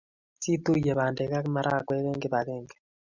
Situiye pandek ak marakwek eng kipakenge